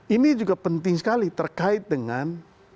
ini juga penting sekali terkait dengan